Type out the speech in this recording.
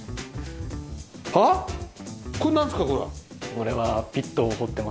これはピットを掘ってます。